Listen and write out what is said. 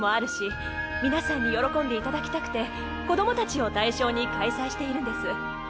皆さんに喜んでいただきたくて子どもたちを対象に開催しているんです。